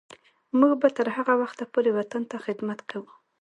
موږ به تر هغه وخته پورې وطن ته خدمت کوو.